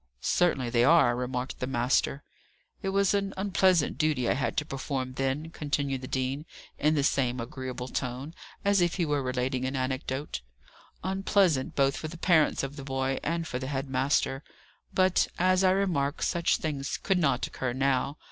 "Certainly they are," remarked the master. "It was an unpleasant duty I had to perform then," continued the dean, in the same agreeable tone, as if he were relating an anecdote: "unpleasant both for the parents of the boy, and for the head master. But, as I remark, such things could not occur now.